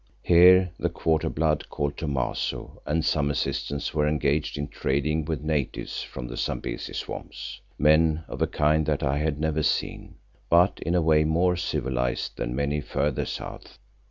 Here the quarter blood called Thomaso, and some assistants were engaged in trading with natives from the Zambesi swamps, men of a kind that I had never seen, but in a way more civilised than many further south.